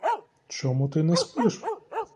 Чому ти не спиш?